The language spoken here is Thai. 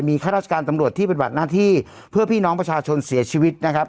ข้าราชการตำรวจที่ปฏิบัติหน้าที่เพื่อพี่น้องประชาชนเสียชีวิตนะครับ